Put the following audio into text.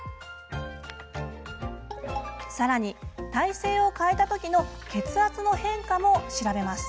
更に体勢を変えた時の血圧の変化も調べます。